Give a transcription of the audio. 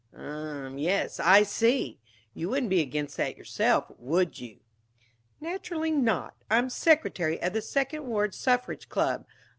"Umm! Yes, I see! You wouldn't be against that yourself, would you?" "Naturally not. I'm secretary of the Second Ward Suffrage Club."